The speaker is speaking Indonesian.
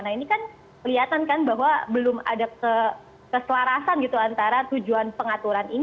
nah ini kan kelihatan kan bahwa belum ada keselarasan gitu antara tujuan pengaturan ini